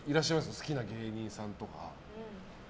好きな芸人さんとか。